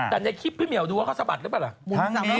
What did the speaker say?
แต่ในคลิปพี่เหมียวดูว่าเขาสะบัดหรือเปล่าล่ะ